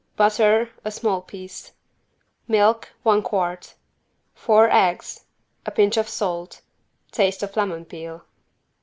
Butter, a small piece. Milk, one quart. Four eggs. A pinch of salt. Taste of lemon peel.